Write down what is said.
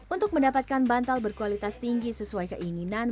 untuk mendapatkan bantal berkualitas tinggi sesuai keinginan